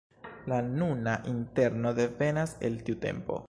La nuna interno devenas el tiu tempo.